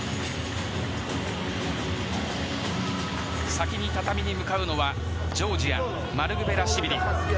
先に畳に向かうのはジョージアのマルクベラシュビリ。